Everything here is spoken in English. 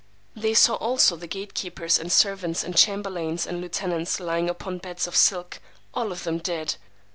They saw also the gate keepers and servants and chamberlains and lieutenants lying upon beds of silk, all of them dead.